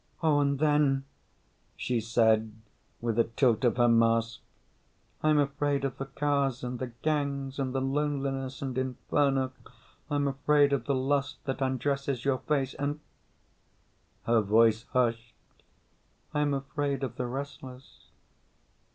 "Oh, and then," she said with a tilt of her mask, "I'm afraid of the cars and the gangs and the loneliness and Inferno. I'm afraid of the lust that undresses your face. And " her voice hushed "I'm afraid of the wrestlers."